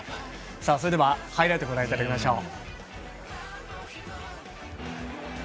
それではハイライトご覧いただきましょう。